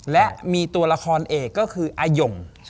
และมีตัวละครเอกก็คืออาย่ง